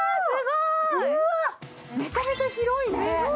めちゃめちゃ広いね。